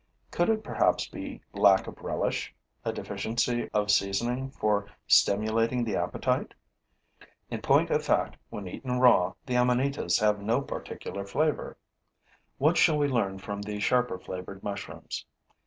Could it perhaps be lack of relish, a deficiency of seasoning for stimulating the appetite? In point of fact, when eaten raw, the amanitas have no particular flavor. What shall we learn from the sharper flavored mushrooms?